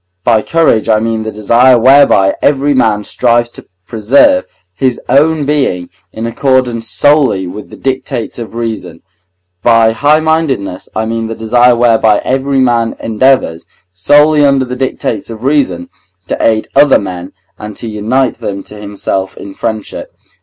By courage I mean the desire whereby every man strives to preserve his own being in accordance solely with the dictates of reason. By highmindedness I mean the desire whereby every man endeavours, solely under the dictates of reason, to aid other men and to unite them to himself in friendship.